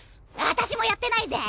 あたしもやってないぜ！